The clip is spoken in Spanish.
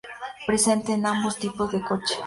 Presente en ambos tipos de coche.